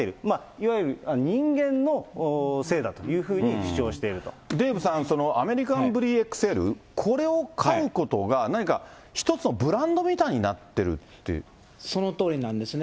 いわゆる人間のせいだというふうデーブさん、アメリカンブリーＸＬ、これを飼うことが、何か一つのブランドみたいになってるそのとおりなんですね。